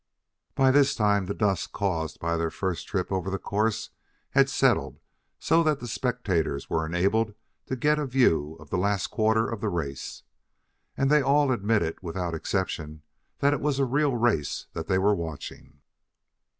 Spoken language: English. By this time the dust caused by their first trip over the course, had settled so that the spectators were enabled to get a view of the last quarter of the race. And they all admitted, without exception, that it was a real race that they were watching.